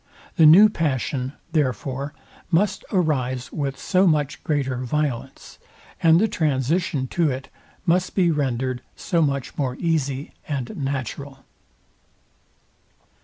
The new passion, therefore, must arise with so much greater violence, and the transition to it must be rendered so much more easy and natural.